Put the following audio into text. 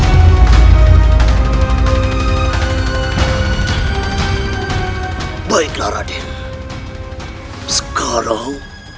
sekarang kita singkirkan orang orang itu satu persen